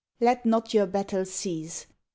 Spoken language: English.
Let not your battle cease !